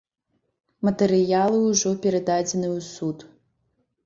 Матэрыялы ўжо перададзеныя ў суд.